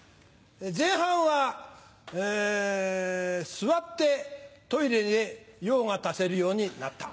前半は座ってトイレで用が足せるようになった。